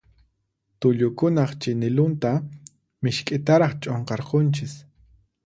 Tullukunaq chinillunta misk'itaraq ch'unqarqunchis.